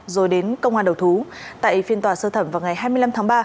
rồi đến công an đầu thú tại phiên tòa sơ thẩm vào ngày hai mươi năm tháng ba